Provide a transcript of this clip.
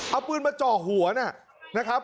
เอาปืนมาจ่อหัวนะครับ